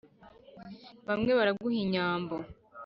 bamwe baraguha inyambo